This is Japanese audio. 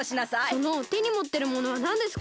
そのてにもってるものはなんですか？